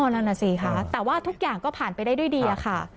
นั่นน่ะสิค่ะแต่ว่าทุกอย่างก็ผ่านไปได้ด้วยดีอะค่ะ